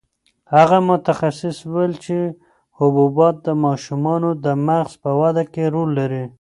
هغه متخصص وویل چې حبوبات د ماشومانو د مغز په وده کې رول لري.